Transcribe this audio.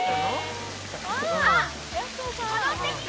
あっ、戻ってきた。